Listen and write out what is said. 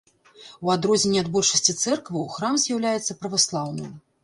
У адрозненне ад большасці цэркваў, храм з'яўляецца праваслаўным.